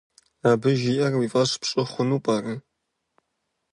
Абы жиӏэр уи фӏэщ пщӏы хъуну пӏэрэ?